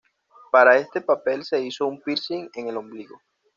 Para este papel se hizo un piercing en el ombligo.